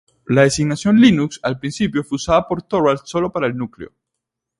La designación ""Linux"" al principio fue usada por Torvalds sólo para el núcleo.